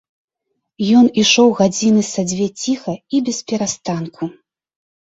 Ён ішоў гадзіны са дзве ціха і бесперастанку.